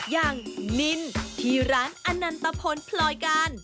อย่างนินที่ร้านอนันตพลพลอยการ